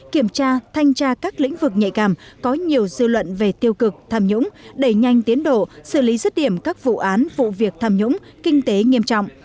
kiểm tra thanh tra các lĩnh vực nhạy cảm có nhiều dư luận về tiêu cực tham nhũng đẩy nhanh tiến độ xử lý rứt điểm các vụ án vụ việc tham nhũng kinh tế nghiêm trọng